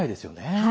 はい。